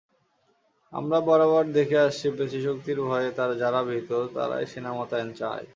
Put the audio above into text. আমরা বরাবর দেখে আসছি পেশিশক্তির ভয়ে যাঁরা ভীত, তঁারাই সেনা মোতায়েন চান।